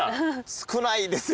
少ないですよね。